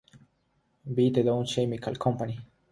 By The Dow Chemical Company.